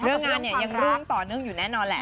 เรื่องงานเนี่ยยังร่วงต่อเนื่องอยู่แน่นอนแหละ